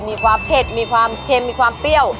มีความเผ็ดมีความเค็มมีความเปรี้ยว